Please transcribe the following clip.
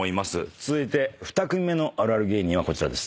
続いて２組目のあるある芸人はこちらです。